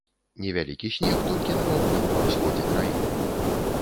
Невялікі снег толькі на паўднёвым усходзе краіны.